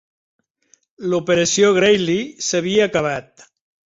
L'operació "Greeley" s'havia acabat.